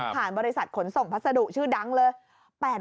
บริษัทขนส่งพัสดุชื่อดังเลย